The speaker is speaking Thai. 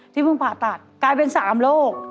เพิ่งผ่าตัดกลายเป็น๓โรค